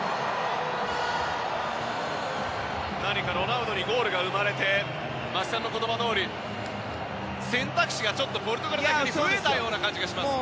何かロナウドにゴールが生まれて松木さんの言葉どおり選択肢がポルトガル代表に増えたような感じがします。